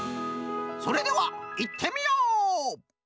それではいってみよう！